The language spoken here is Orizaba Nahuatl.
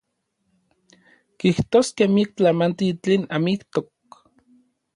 Kijtoskej miak tlamantli tlen amijtok.